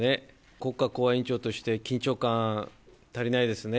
国家公安委員長として緊張感足りないですね。